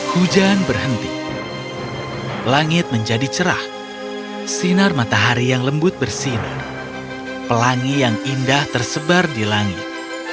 hujan berhenti langit menjadi cerah sinar matahari yang lembut bersinar pelangi yang indah tersebar di langit